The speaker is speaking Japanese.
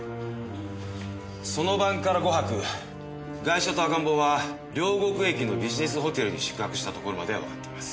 その晩から５泊ガイシャと赤ん坊は両国駅のビジネスホテルに宿泊したところまではわかっています。